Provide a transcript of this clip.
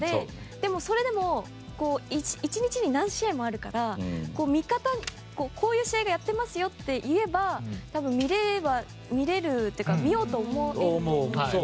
でも、それでも１日に何試合もあるからこういう試合がやってますよと言えば多分、見れるっていうか見ようと思えるんですよね。